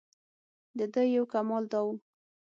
دده یو کمال دا و.